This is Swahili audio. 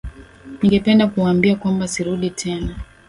Ningependa kuwaambia kwamba sirudi tena.